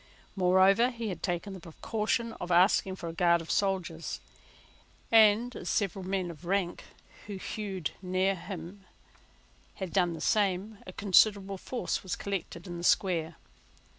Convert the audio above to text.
Moreover he had taken the precaution of asking for a guard of soldiers; and, as several men of rank, who hued near him, had done the same, a considerable force was collected in the Square.